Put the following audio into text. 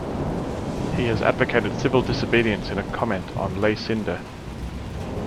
He has advocated civil disobedience in a comment on Ley Sinde.